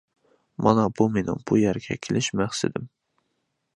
مانا بۇ مېنىڭ بۇ يەرگە كېلىش مەقسىتىم.